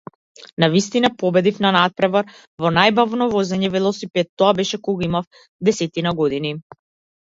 Навистина победив на натпревар во најбавно возење велосипед, тоа беше кога имав десетина години.